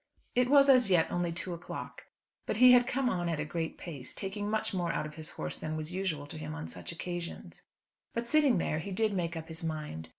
It was as yet only two o'clock, but he had come on at a great pace, taking much more out of his horse than was usual to him on such occasions. But, sitting there, he did make up his mind.